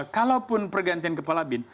kalau pun pergantian kepala bin